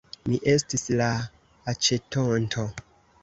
Mi estis la aĉetonto.